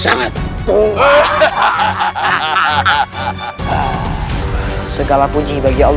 sebenarnya apa yang bisa kau lakukan kota kecil